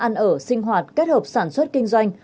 ăn ở sinh hoạt kết hợp sản xuất kinh doanh